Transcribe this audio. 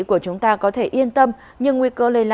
vì vậy tôi đến đây